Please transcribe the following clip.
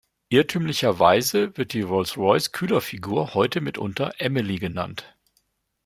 Irrtümlicherweise wird die Rolls-Royce-Kühlerfigur heute mitunter „Emily“ genannt.